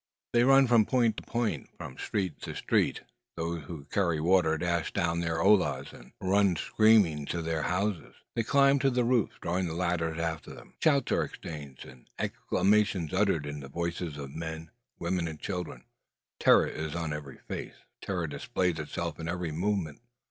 They run from point to point, from street to street. Those who carry water dash down their ollas, and rush screaming to the houses. They climb to the roofs, drawing the ladders after them. Shouts are exchanged, and exclamations uttered in the voices of men, women, and children. Terror is on every face; terror displays itself in every movement.